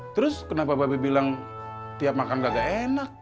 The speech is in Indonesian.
terus kenapa mbak be bilang tiap makan kagak enak